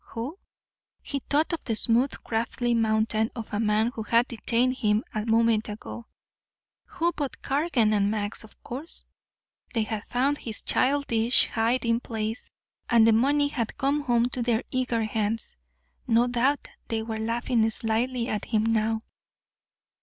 Who? He thought of the smooth crafty mountain of a man who had detained him a moment ago. Who but Cargan and Max, of course? They had found his childish hiding place, and the money had come home to their eager hands. No doubt they were laughing slyly at him now.